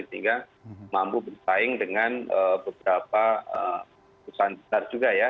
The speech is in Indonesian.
sehingga mampu bersaing dengan beberapa perusahaan besar juga ya